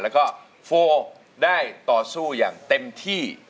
แล้วก็โฟได้ต่อสู้อย่างเต็มที่